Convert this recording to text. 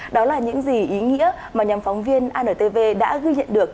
đó là những gì ý nghĩa mà nhóm phóng viên antv đã ghi nhận được